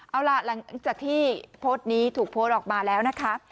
เอาล่ะหลังจากที่โพสต์นี้ถูกโพสต์ออกมาแล้วนะคะ